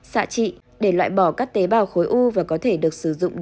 xạ trị để loại bỏ các tế bào khối u và có thể được sử dụng